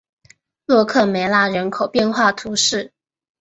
洛克梅拉人口变化图示